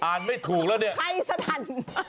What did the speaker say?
อ่านไม่ถูกแล้วนี่ใครสะทัน